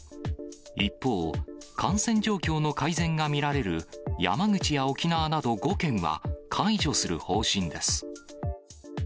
一方、感染状況の改善が見られる山口や沖縄など５県は解除する方針です。